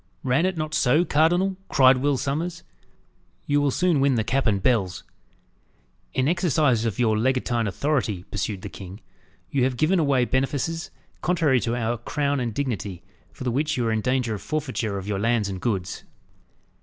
Ran it not so, cardinal?" cried Will Sommers. "You will soon win the cap and bells." "In exercise of your legatine authority," pursued the king, "you have given away benefices contrary to our crown and dignity, for the which you are in danger of forfeiture of your lands and goods."